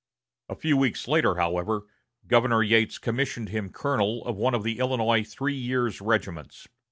A few weeks later, however, Governor Yates commissioned him colonel of one of the Illinois three years' regiments.